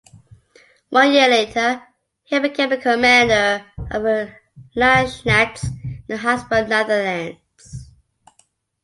One year later, he became the commander of the Landsknechts in the Habsburg Netherlands.